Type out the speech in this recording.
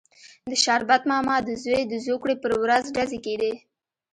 د شربت ماما د زوی د زوکړې پر ورځ ډزې کېدې.